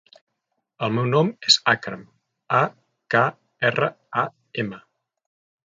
El meu nom és Akram: a, ca, erra, a, ema.